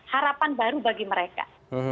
harapan baru bagi mereka